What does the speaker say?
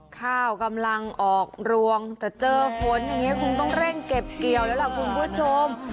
ข้าวกำลังออกรวงแต่เจอฝนอย่างนี้คงต้องเร่งเก็บเกี่ยวแล้วล่ะคุณผู้ชม